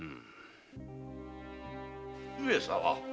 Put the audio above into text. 上様。